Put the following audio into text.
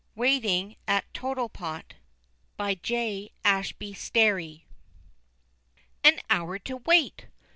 _) WAITING AT TOTTLEPOT. J. ASHBY STERRY. An hour to wait!